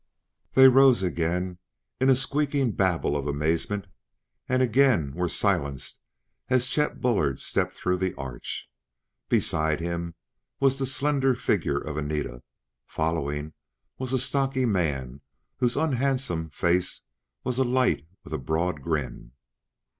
They rose again in a squeaking babel of amazement and again were silenced as Chet Bullard stepped through the arch. Beside him was the slender figure of Anita; following was a stocky man whose unhandsome, face was alight with a broad grin.